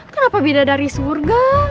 kenapa bidadari syurga